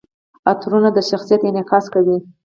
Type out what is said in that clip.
عطرونه د شخصیت انعکاس کوي.